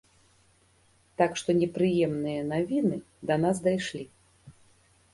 Так што непрыемныя навіны да нас дайшлі.